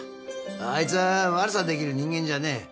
あいつは悪さできる人間じゃねえ。